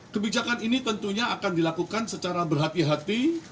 kebijakan ini tentunya akan dilakukan secara berhati hati